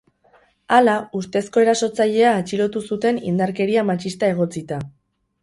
Hala, ustezko erasotzailea atxilotu zuten indarkeria matxista egotzita.